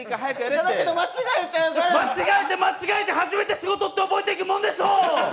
間違えて、間違えて、初めて仕事は覚えていくもんでしょう！